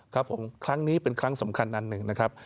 ครับผมครั้งนี้เป็นครั้งสำคัญอันหนึ่งนะครับ